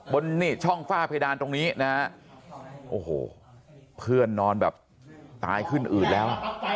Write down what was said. บนนี่ช่องฝ้าเพดานตรงนี้นะฮะโอ้โหเพื่อนนอนแบบตายขึ้นอืดแล้ว